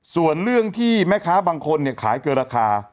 ส่วนเรื่องที่แม่ค้าบางคนขายเกินราคา